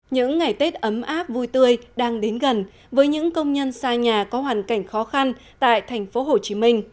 những ngày tết ấm áp vui tươi đang đến gần với những công nhân xa nhà có hoàn cảnh khó khăn tại tp hcm